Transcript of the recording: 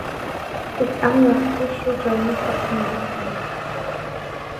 بىز ئەڭ ياخشىسى شۇ جاينى تاپقىنىمىز تۈزۈك.